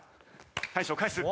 大昇返す。